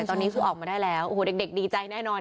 ตอนนี้คือออกมาได้แล้วโอ้โหเด็กดีใจแน่นอน